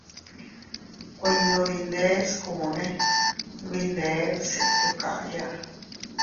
Kuinno dindeskunne nbindee bsittu kaya.